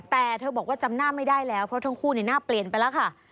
แต่เธอบอกว่าจำหน้าไม่ได้แล้วเพราะทั้งคู่หน้าเปลี่ยนไปแล้วค่ะ